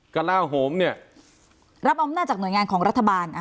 กระลาโหมเนี่ยรับอำนาจจากหน่วยงานของรัฐบาล